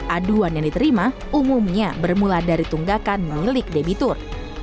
aduan yang diterima umumnya bermula dari tunggakan milik debitur